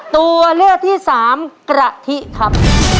ตัวเลือกที่สามกะทิครับ